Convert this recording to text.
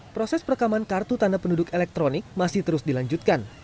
proses perekaman kartu tanda penduduk elektronik masih terus dilanjutkan